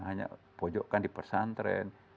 hanya pojok kan dipersantren